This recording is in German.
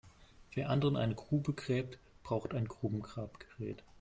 Wer anderen eine Grube gräbt, braucht ein Grubengrabgerät.